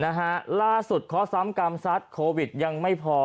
นะฮะล่าสุดข้อซ้ำกรรมซัดโควิดยังไม่พอ